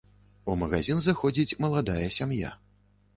У магазін заходзіць маладая сям'я.